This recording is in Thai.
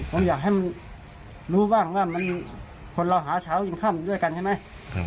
ผมอยากให้มันรู้บ้างว่ามันคนเราหาเช้ากินค่ำด้วยกันใช่ไหม